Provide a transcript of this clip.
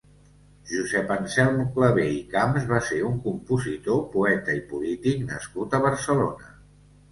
Josep Anselm Clavé i Camps va ser un compositor, poeta i polític nascut a Barcelona.